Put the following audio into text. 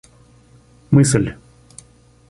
мысль